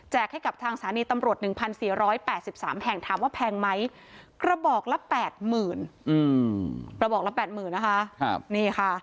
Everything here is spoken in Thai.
แจกให้กับทางสารณีตำรวจ๑๔๘๓แผงถามว่าแพงไหมกระบอกละ๘๐๐๐๐นะคะ